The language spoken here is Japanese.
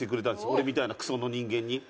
俺みたいなクソの人間に。